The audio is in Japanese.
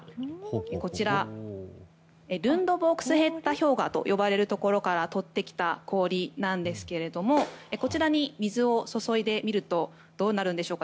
こちらルンドボークスヘッタ氷河と呼ばれるところから取ってきた氷なんですがこちらに水を注いでみるとどうなるんでしょうか。